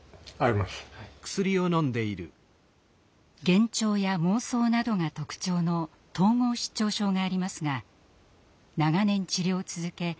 幻聴や妄想などが特徴の統合失調症がありますが長年治療を続け